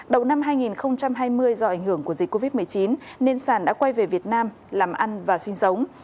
đầu năm hai nghìn hai mươi do ảnh hưởng của dịch covid một mươi chín nên sản đã quay về việt nam làm ăn và sinh sống